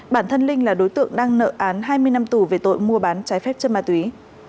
bản thân linh là đối tượng đang nợ án hai mươi năm tù về tội mua bán trái phép chất ma túy